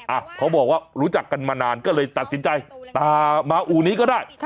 อ่ะเขาบอกว่ารู้จักกันมานานก็เลยตัดสินใจตามมาอู่นี้ก็ได้